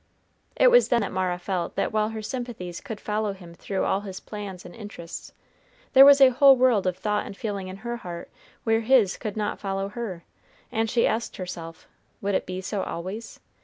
It was then that Mara felt that while her sympathies could follow him through all his plans and interests, there was a whole world of thought and feeling in her heart where his could not follow her; and she asked herself, Would it be so always?